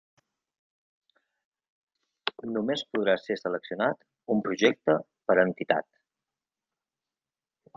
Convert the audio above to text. Només podrà ser seleccionat un projecte per entitat.